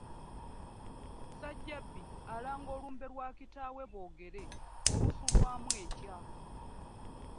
Ssajjabbi alanga olumbe lwa kitaawe Boogere olusulwamu enkya.